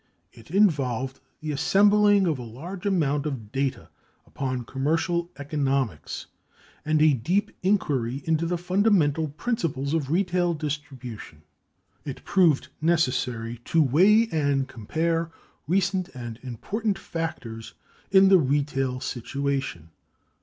It involved the assembling of a large amount of data upon commercial economics and a deep inquiry into the fundamental principles of retail distribution. It proved necessary to weigh and compare recent and important factors in the retail situation.